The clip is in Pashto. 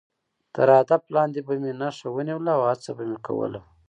تر هدف لاندې به مې نښه ونیوله او هڅه به مې کوله.